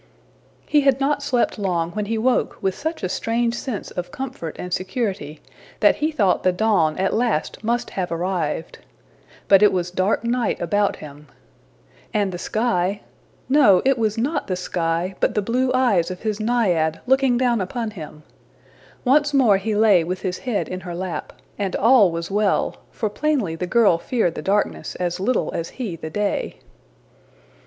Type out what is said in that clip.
He had not slept long when he woke with such a strange sense of comfort and security that he thought the dawn at last must have arrived. But it was dark night about him. And the sky no, it was not the sky, but the blue eyes of his naiad looking down upon him! Once more he lay with his head in her lap, and all was well, for plainly the girl feared the darkness as little as he the day.